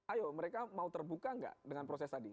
ayo mereka mau terbuka nggak dengan proses tadi